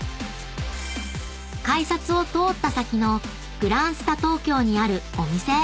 ［改札を通った先のグランスタ東京にあるお店］